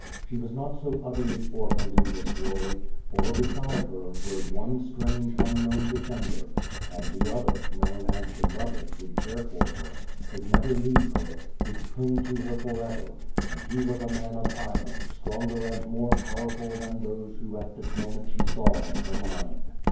She was not so utterly orphaned in this world, for, beside her, rode one strange, unknown defender — and the other, known and beloved, would care for her, would never leave her, would cling to her forever; and he was a man of iron, stronger and more powerful than those who at this moment she saw in her mind.